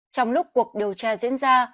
trong lúc cuộc điều tra diễn ra